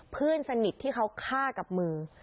เพื่อนสนิทที่เขาฆ่ากับมือ